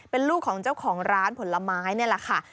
เป็นลูกของเจ้าของร้านผลไม้นี่แหละค่ะ